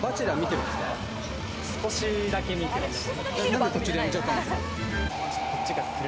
少しだけ見てました。